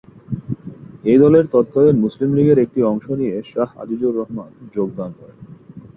এই দলে তৎকালীন মুসলিম লীগের একটি অংশ নিয়ে শাহ আজিজুর রহমান যোগদান করেন।